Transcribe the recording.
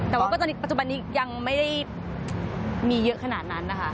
แต่ว่าปัจจุบันนี้ยังไม่ได้มีเยอะขนาดนั้นนะคะ